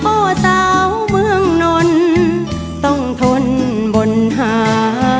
โอ้สาวเมืองนนต้องทนบนหา